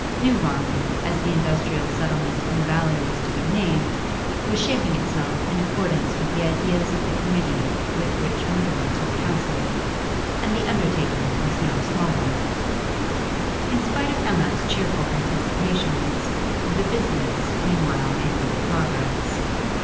New Wanley, as the industrial settlement in the valley was to be named, was shaping itself in accordance with the ideas of the committee with which Mutimer took counsel, and the undertaking was no small one. In spite of Emma's cheerful anticipations, 'the business' meanwhile made little progress.